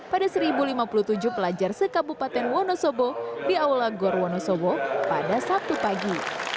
pada seribu lima puluh tujuh pelajar sekabupaten wonosobo di aula gor wonosobo pada sabtu pagi